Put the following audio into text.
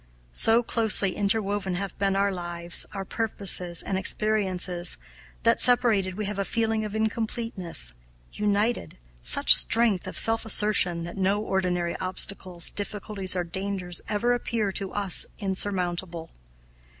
So closely interwoven have been our lives, our purposes, and experiences that, separated, we have a feeling of incompleteness united, such strength of self assertion that no ordinary obstacles, difficulties, or dangers ever appear to us insurmountable.